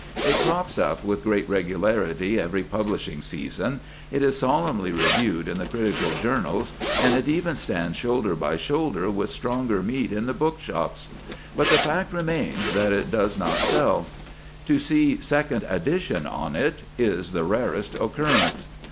It crops up with great regularity every publishing season, it is solemnly reviewed in the critical journals, and it even stands shoulder by shoulder with stronger meat in the bookshops. But the fact remains that it does not sell; to see "Second Edition" on it is the rarest occurrence.